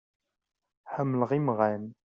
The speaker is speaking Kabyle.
Ḥemmleɣ imɣan.